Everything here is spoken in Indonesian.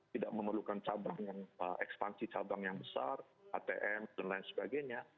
tidak memerlukan cabang yang ekspansi cabang yang besar atm dan lain sebagainya